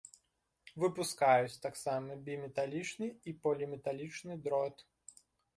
Выпускаюць таксама біметалічны і поліметалічны дрот.